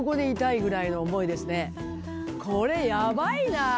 これやばいな。